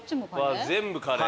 全部カレー。